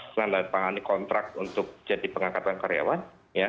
selalu mengalami kontrak untuk jadi pengangkatan karyawan